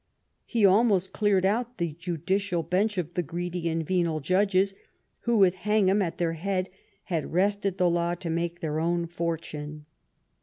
He almost cleared out the judicial bench of the greedy and venal judges, who, with Hengham at their head, had wrested the law to make their own fortune.